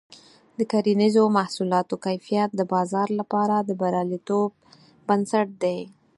د کرنیزو محصولاتو کیفیت د بازار لپاره د بریالیتوب بنسټ دی.